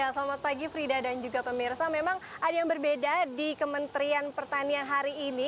selamat pagi frida dan juga pemirsa memang ada yang berbeda di kementerian pertanian hari ini